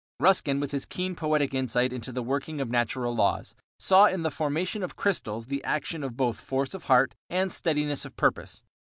Ruskin, with his keen poetic insight into the working of natural laws, saw in the formation of crystals the action of both "force of heart" and "steadiness of purpose."